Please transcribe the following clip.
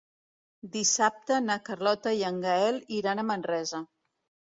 Dissabte na Carlota i en Gaël iran a Manresa.